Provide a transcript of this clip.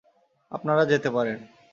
আপনারা যেতে পারেন।